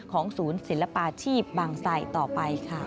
ของศูนย์ศิลปาชีพบางไสต่อไปค่ะ